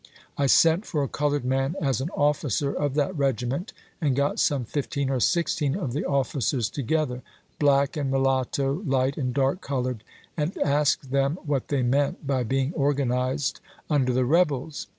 I sent for a colored man as an officer of that regiment, and got some fifteen or sixteen of the officers together — black and mulatto, light and dark colored — and asked them what they meant by being organized under the rebels.